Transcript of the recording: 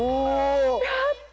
やった！